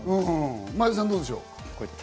前田さん、どうでしょう？